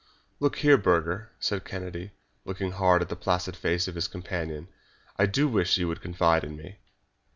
"Look here, Burger," said Kennedy, looking hard at the placid face of his companion, "I do wish that you would confide in me."